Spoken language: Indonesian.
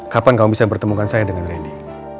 kapan kamu bisa bertemukan saya dengan randy